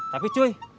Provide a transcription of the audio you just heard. tapi pak kades